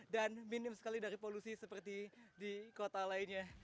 dan minim sekali dari polusi seperti di kota lainnya